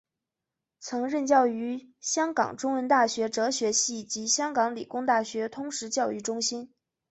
曾任教于香港中文大学哲学系及香港理工大学通识教育中心。